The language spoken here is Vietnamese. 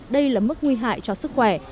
đây là mức nguy hại cho sức khỏe